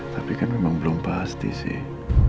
tapi kan memang belum pasti sih